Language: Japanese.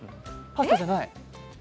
パスタじゃない？